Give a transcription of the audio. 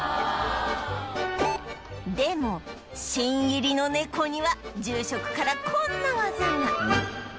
でも新入りのネコには住職からこんな技が